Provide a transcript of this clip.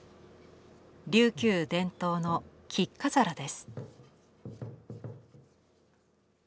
琉球伝統の菊花皿です。